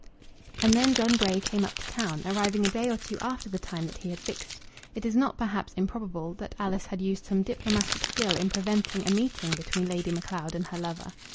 And then John Grey came up to town, arriving a day or two after the time that he had fixed. It is not, perhaps, improbable that Alice had used some diplomatic skill in preventing a meeting between Lady Macleod and her lover.